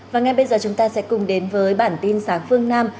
và ngay bây giờ chúng ta sẽ cùng đến với bản tin giá phương nam